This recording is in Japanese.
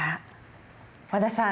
和田さん